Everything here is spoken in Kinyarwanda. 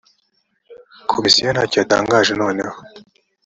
komisiyo ntacyo yatangaje noneho.